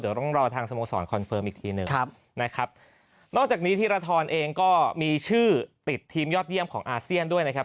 เดี๋ยวต้องรอทางสโมสรคอนเฟิร์มอีกทีหนึ่งครับนะครับนอกจากนี้ธีรทรเองก็มีชื่อติดทีมยอดเยี่ยมของอาเซียนด้วยนะครับ